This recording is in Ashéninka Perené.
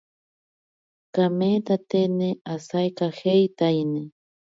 Kameetatene asaikajeetaiyene.